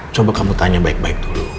coba kamu tanya baik baik dulu